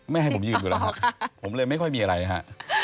ให้ผมยืนอยู่แล้วครับผมเลยไม่ค่อยมีอะไรฮะ